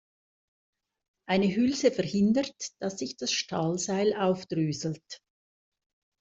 Eine Hülse verhindert, dass sich das Stahlseil aufdröselt.